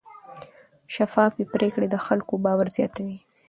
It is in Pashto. شفافې پریکړې د خلکو باور زیاتوي.